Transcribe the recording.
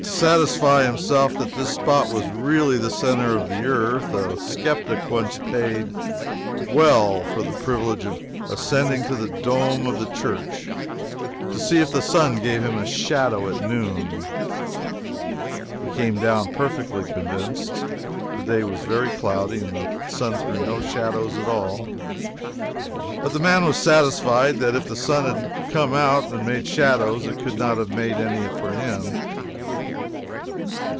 To satisfy himself that this spot was really the centre of the earth, a sceptic once paid well for the privilege of ascending to the dome of the church to see if the sun gave him a shadow at noon. He came down perfectly convinced. The day was very cloudy and the sun threw no shadows at all; but the man was satisfied that if the sun had come out and made shadows it could not have made any for him.